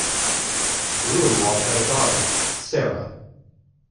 Gruenwald had a daughter, Sara.